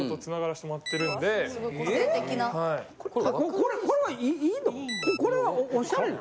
これこれはいいの？